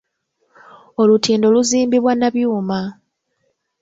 Olutindo luzimbibwa na byuma.